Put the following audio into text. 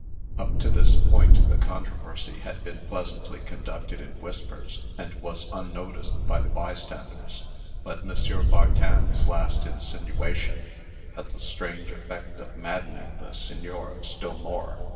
Up to this point the controversy had been pleasantly conducted in whispers, and was unnoticed by the bystanders; but M. Bartin's last insinuation had the strange effect of maddening the Signor still more.